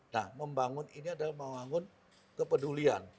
nah membangun ini adalah membangun kepedulian